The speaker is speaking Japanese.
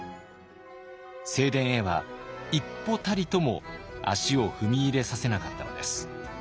正殿へは一歩たりとも足を踏み入れさせなかったのです。